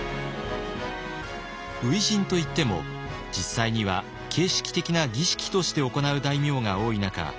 初陣といっても実際には形式的な儀式として行う大名が多い中